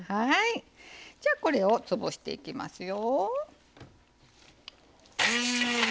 じゃあこれを潰していきますよ。